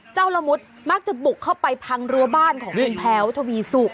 ละมุดมักจะบุกเข้าไปพังรั้วบ้านของคุณแพ้วทวีสุก